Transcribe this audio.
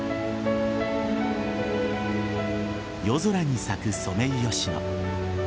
夜空に咲くソメイヨシノ。